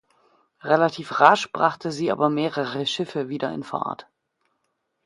Relativ rasch brachte sie aber mehrere Schiffe wieder in Fahrt.